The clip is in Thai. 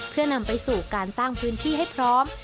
เพื่อนำไปสู่การสร้างพื้นที่ให้พร้อม